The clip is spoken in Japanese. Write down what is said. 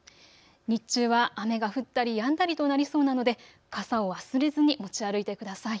日中は雨が降ったりやんだりとなりそうなので傘を忘れずに持ち歩いてください。